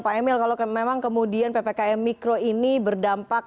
pak emil kalau memang kemudian ppkm mikro ini berdampak